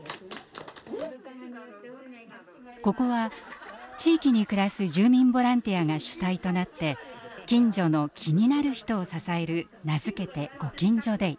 ここは地域に暮らす住民ボランティアが主体となって近所の「気になる人」を支える名付けて「ご近所デイ」。